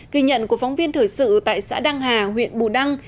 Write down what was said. ghi nhận của phóng viên thời sự tại xã đăng hà huyện bù đăng